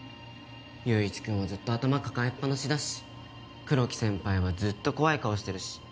友一くんはずっと頭抱えっぱなしだしクロキ先輩はずっと怖い顔してるし。